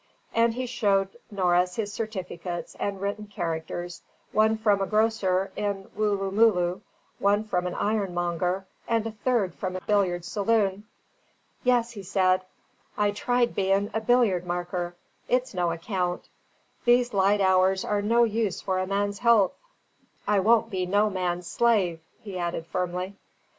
And he showed Norris his certificates and written characters, one from a grocer in Wooloomooloo, one from an ironmonger, and a third from a billiard saloon. "Yes," he said, "I tried bein' a billiard marker. It's no account; these lyte hours are no use for a man's health. I won't be no man's slyve," he added firmly.